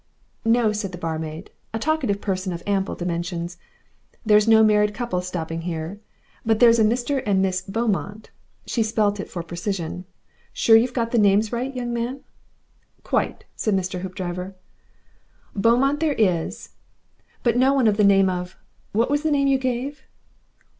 "No," said the barmaid, a talkative person of ample dimensions. "There's no married couples stopping here. But there's a Mr. and Miss BEAUMONT." She spelt it for precision. "Sure you've got the name right, young man?" "Quite," said Mr. Hoopdriver. "Beaumont there is, but no one of the name of What was the name you gave?"